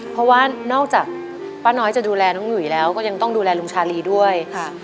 เพราะว่านอกจากป้าน้อยจะดูแลน้องหยุยแล้วก็ยังต้องดูแลลุงชาลีด้วย